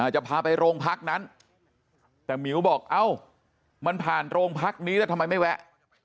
จะพาไปโรงพักนั้นแต่หมิวบอกเอ้ามันผ่านโรงพักนี้แล้วทำไมไม่แวะ